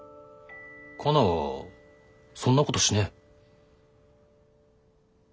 カナはそんなことしねえ。